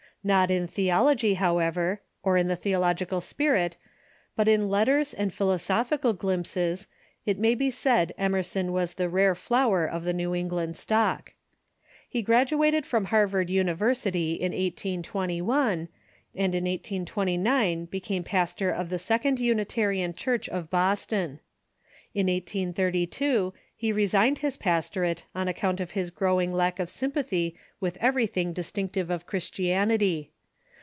Not in theology, however, or in the theological spirit, but in let ters and philosophical glimpses, it may be said Emerson was the rare flower of the New England stock. He graduated from Harvard University in 1821, and in 1829 became pastor of the Second Unitarian Church of IJoston. In 18;j2 he resigned his pastorate on account of his growing lack of sympathy with everything distinctive of Christianity.